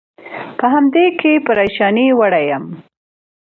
په همدې کې پرېشانۍ وړی یم.